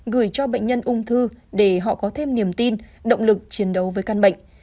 gửi cho bệnh nhân ung thư để họ có thêm niềm tin động lực chiến đấu với căn bệnh